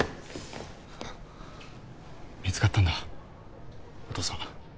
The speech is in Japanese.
見つかったんだお父さん。